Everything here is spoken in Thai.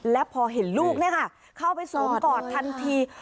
แล้วพอเห็นลูกเนี่ยค่ะเข้าไปสวมกอดทันที